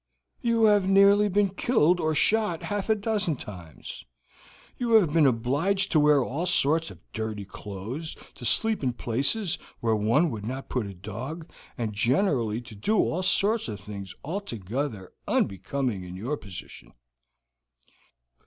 "You have nearly been killed or shot half a dozen times; you have been obliged to wear all sorts of dirty clothes, to sleep in places where one would not put a dog, and generally to do all sorts of things altogether unbecoming in your position."